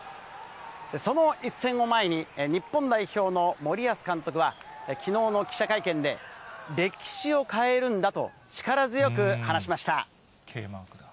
その一線を前に、日本代表の森保監督は、きのうの記者会見で、歴史を変えるんだと力強く話しました。